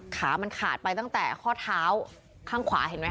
ขามันขาดไปตั้งแต่ข้อเท้าข้างขวาเห็นไหม